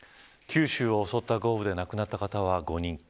九州を襲った豪雨で亡くなった方は５人。